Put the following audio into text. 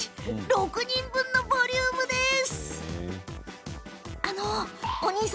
６人分の量のボリュームです。